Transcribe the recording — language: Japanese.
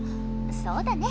そうだね。